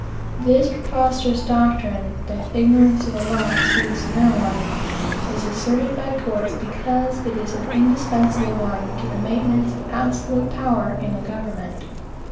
This preposterous doctrine, that "ignorance of the law excuses no one," is asserted by courts because it is an indispensable one to the maintenance of absolute power in the government.